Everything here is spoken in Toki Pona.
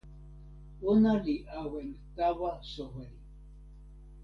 ona li awen tawa soweli.